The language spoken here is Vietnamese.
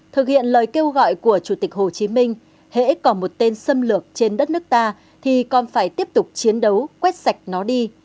thực hiện lời kêu gọi của chủ tịch hồ chí minh hễ còn một tên xâm lược trên đất nước ta thì còn phải tiếp tục chiến đấu quét sạch nó đi